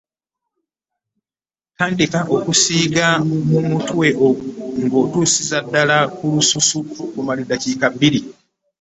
Tandika okusiiga mu mutwe ng’otuusiza ddala ku lususu kwennyini okumala eddakiika bbiri.